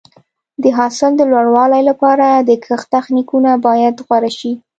د حاصل د لوړوالي لپاره د کښت تخنیکونه باید غوره شي.